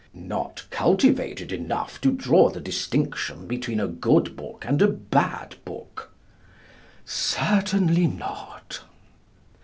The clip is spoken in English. Not cultivated enough to draw the distinction between a good book and a bad book? Certainly not.